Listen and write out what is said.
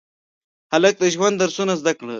هلک د ژونده درسونه زده کوي.